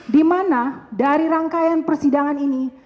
di mana dari rangkaian persidangan ini